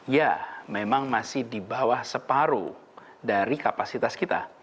ya memang masih di bawah separuh dari kapasitas kita